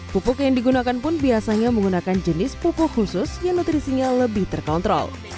pupuk yang digunakan pun biasanya menggunakan jenis pupuk khusus yang nutrisinya lebih terkontrol